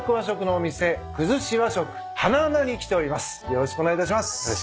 よろしくお願いします。